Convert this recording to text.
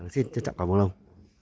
xin chân trọng cảm ơn ông